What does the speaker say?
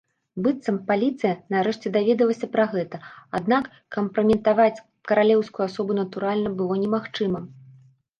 Быццам, паліцыя нарэшце даведалася пра гэта, аднак кампраметаваць каралеўскую асобу, натуральна, было немагчыма.